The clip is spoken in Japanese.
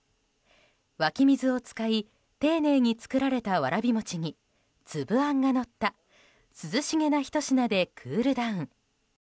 湧き水を使い丁寧に作られた、わらび餅に粒あんがのった涼しげなひと品でクールダウン。